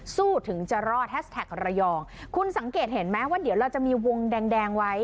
ถึงจะรอดแฮชแท็กระยองคุณสังเกตเห็นไหมว่าเดี๋ยวเราจะมีวงแดงแดงไว้